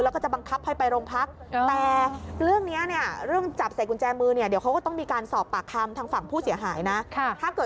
และบังคับไปรองพัก